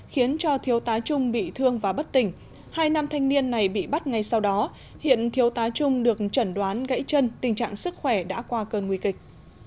khiến cho thiếu tá trung bị thương và bất tỉnh hai nam thanh niên này bị bắt ngay sau đó hiện thiếu tá trung được chẩn đoán gãy chân tình trạng sức khỏe đã qua cơn nguy kịch